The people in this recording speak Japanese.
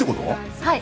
はい。